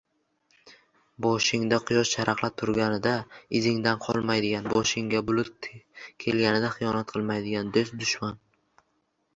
Boshingda quyosh charaqlab turganida izingdan qolmaydigan, boshingga bulut kelganida xiyonat qiladigan do‘st dushman.